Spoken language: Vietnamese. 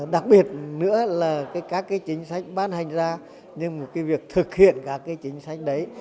đặc biệt nữa là các cái chính sách ban hành ra nhưng mà cái việc thực hiện các cái chính sách đấy